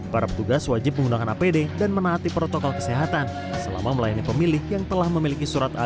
para petugas wajib menggunakan apd dan menaati protokol kesehatan selama melayani pemilih yang telah memiliki surat al qur